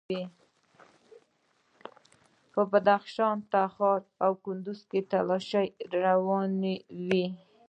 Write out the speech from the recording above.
په بدخشان، تخار او کندوز کې تالاشۍ روانې وې.